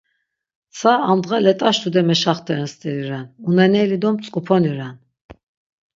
Tsa amdğa let̆aş tude meşaxteren steri ren, uneneli do mtzk̆uponi ren.